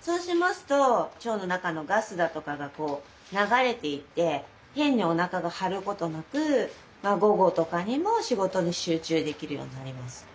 そうしますと腸の中のガスだとかが流れていって変にお腹が張ることなく午後とかにも仕事に集中できるようになります。